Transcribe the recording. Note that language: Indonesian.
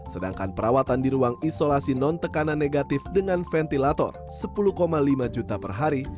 sedangkan perawatan di ruang isolasi non tekanan negatif dengan ventilator sepuluh lima juta per hari